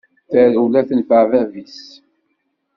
Tarewla tenfeε bab-is.